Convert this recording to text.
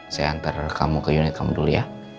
saya antar kamu ke unit kamu dulu ya